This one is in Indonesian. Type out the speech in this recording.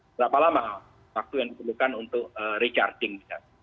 berapa lama waktu yang diperlukan untuk recharging misalnya